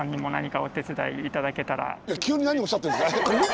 ぜひ急に何をおっしゃってるんですか？